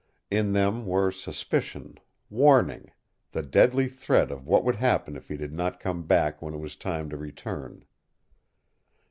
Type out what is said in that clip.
In them were suspicion, warning, the deadly threat of what would happen if he did not come back when it was time to return.